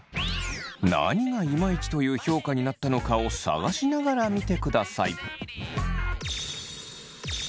何がイマイチという評価になったのかを探しながら見てください。